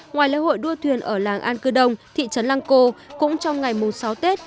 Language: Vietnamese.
ngoài lễ hội đua thuyền ở làng an cư đông thị trấn làng cô cũng trong ngày sáu tết